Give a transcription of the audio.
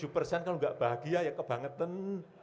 dua puluh tujuh persen kalau enggak bahagia ya kebangetan